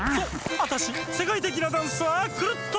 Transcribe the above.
アタシせかいてきなダンサークルットです！